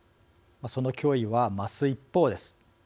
その脅威は増す一方です。